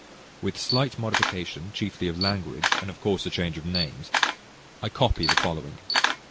With slight modifications, chiefly of language, and of course a change of names, I copy the following.